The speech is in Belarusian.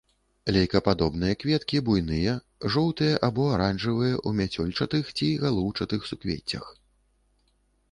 Лейкападобныя кветкі буйныя, жоўтыя або аранжавыя ў мяцёлчатых ці галоўчатых суквеццях.